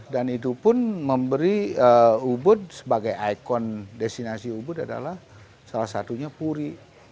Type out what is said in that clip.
dan itupun memberi ubud sebagai ikon destinasi ubud adalah salah satunya puri